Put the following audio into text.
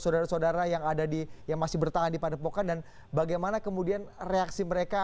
saudara saudara yang masih bertahan di padepokan dan bagaimana kemudian reaksi mereka